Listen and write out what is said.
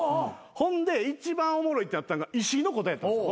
ほんで一番おもろいってなったのが石井の答えやったんです